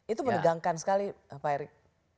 itu menegangkan sekali pak erick